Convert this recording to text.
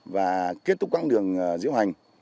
và kết thúc quảng đường diễu hành